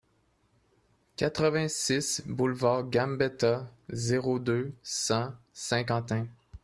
quatre-vingt-six boulevard Gambetta, zéro deux, cent, Saint-Quentin